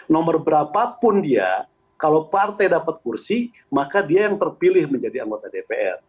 nomor berapapun dia kalau partai dapat kursi maka dia yang terpilih menjadi anggota dpr